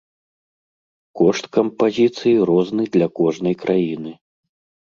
Кошт кампазіцый розны для кожнай краіны.